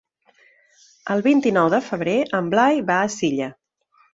El vint-i-nou de febrer en Blai va a Silla.